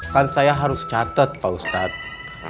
kan saya harus catat pak ustadz